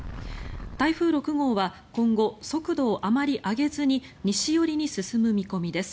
台風６号は今後速度をあまり上げずに西寄りに進む見込みです。